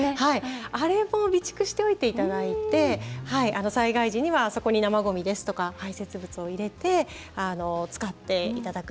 あれも備蓄しておいていただいて災害時にはあそこに生ごみですとか排泄物を入れて使っていただく。